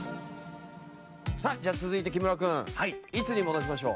さあじゃあ続いて木村君いつに戻しましょう？